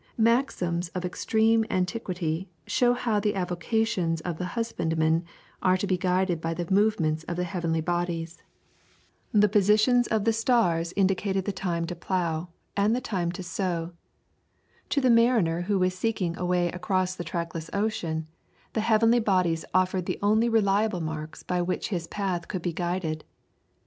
Maxims of extreme antiquity show how the avocations of the husbandman are to be guided by the movements of the heavenly bodies. The positions of the stars indicated the time to plough, and the time to sow. To the mariner who was seeking a way across the trackless ocean, the heavenly bodies offered the only reliable marks by which his path could be guided.